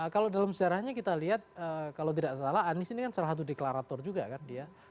kalau dalam sejarahnya kita lihat kalau tidak salah anies ini kan salah satu deklarator juga kan dia